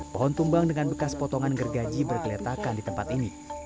pohon tumbang dengan bekas potongan gergaji bergeletakan di tempat ini